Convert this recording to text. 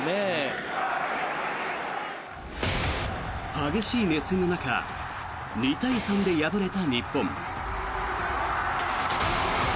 激しい熱戦の中２対３で敗れた日本。